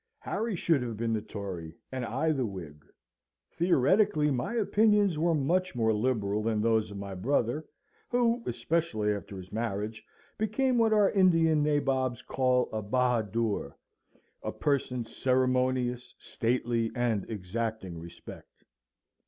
Harry should have been the Tory, and I the Whig. Theoretically my opinions were very much more liberal than those of my brother, who, especially after his marriage, became what our Indian nabobs call a Bahadoor a person ceremonious, stately, and exacting respect.